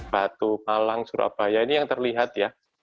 batu palang surabaya ini yang terlihat ya